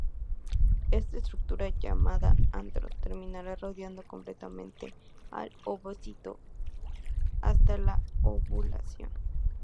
Esta estructura, llamada antro, terminará rodeando completamente al ovocito hasta la ovulación.